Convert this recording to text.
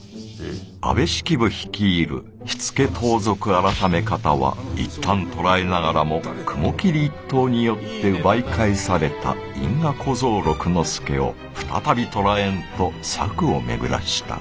安部式部率いる火付盗賊改方は一旦捕らえながらも雲霧一党によって奪い返された因果小僧六之助を再び捕らえんと策を巡らした。